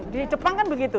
di jepang kan begitu